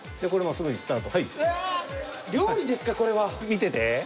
見てて。